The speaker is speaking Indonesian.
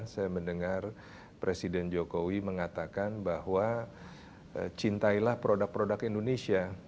saya mendengar presiden jokowi mengatakan bahwa cintailah produk produk indonesia